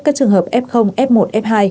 các trường hợp f f một f hai